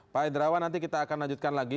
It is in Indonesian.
pak indrawan nanti kita akan lanjutkan lagi